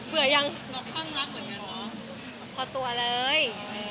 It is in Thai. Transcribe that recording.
ประตูะเลย